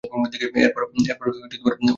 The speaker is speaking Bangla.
এরপর, ঐ লাঠিটা নেবে।